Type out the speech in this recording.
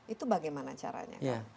itu bagaimana caranya